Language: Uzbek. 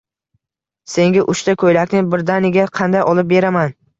Senga uchta koʻylakni birdaniga qanday olib beraman